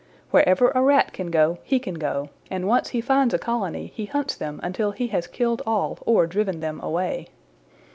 Wherever a Rat can go he can go, and once he finds a colony he hunts them until he has killed all or driven them away.